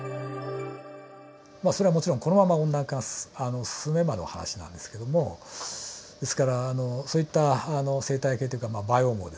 それはもちろんこのまま温暖化が進めばの話なんですけどもですからそういった生態系というかバイオームをですね